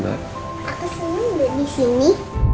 aku seneng udah disini